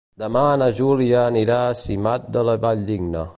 Demà na Júlia anirà a Simat de la Valldigna.